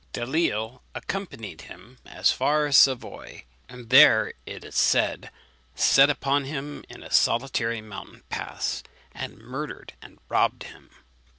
Delisle accompanied him as far as Savoy, and there, it is said, set upon him in a solitary mountain pass, and murdered and robbed him.